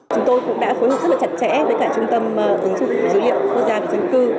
chúng tôi cũng đã phối hợp rất là chặt chẽ với cả trung tâm ứng dụng dữ liệu quốc gia về dân cư